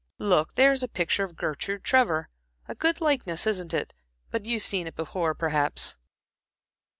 Look, there is a picture of Gertrude Trevor. A good likeness, isn't it? But you've seen it before, perhaps?"